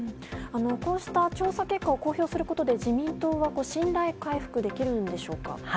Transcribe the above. こうした調査結果を公表することで自民党は信頼回復できるんでしょうか。